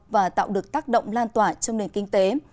và tạo được tác động lan tỏa trong nền kinh tế